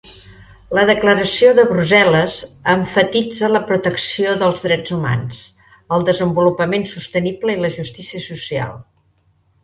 La declaració de Brussel·les emfatitza la protecció dels drets humans, el desenvolupament sostenible i la justícia social.